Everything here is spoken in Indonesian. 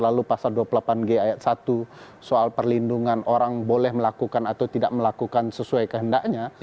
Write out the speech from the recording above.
lalu pasal dua puluh delapan g ayat satu soal perlindungan orang boleh melakukan atau tidak melakukan sesuai kehendaknya